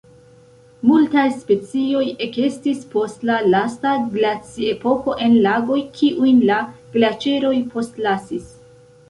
Multaj specioj ekestis post la lasta glaciepoko en lagoj kiujn la glaĉeroj postlasis.